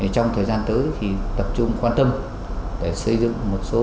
trong thời gian tới tập trung quan tâm để xây dựng một số